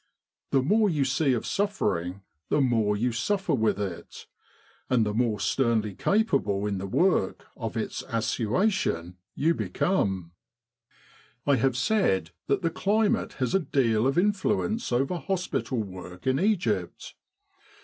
The more you see of suffering, the more you suffer with it and the more sternly capable in the work of its assua sion you become. " I have said that the climate has a deal of in fluence over hospital work in Egypt.